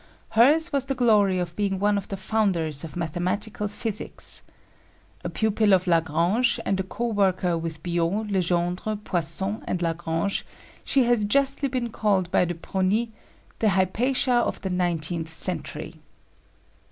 Hers was the glory of being one of the founders of mathematical physics. A pupil of Lagrange and a co worker with Biot, Legendre, Poisson and Lagrange, she has justly been called by De Prony "the Hypatia of the nineteenth century."